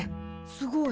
すごい。